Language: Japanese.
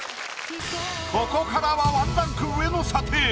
ここからは１ランク上の査定。